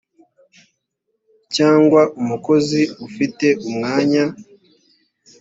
cyangwa umukozi ufite umwanya